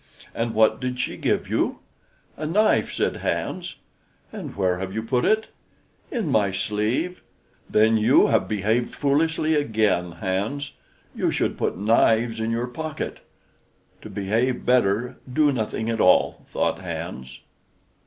"And what did she give you?" "A knife," said Hans. "And where have you put it?" "In my sleeve." "Then you have behaved foolishly again, Hans; you should put knives in your pocket." "To behave better, do nothing at all," thought Hans.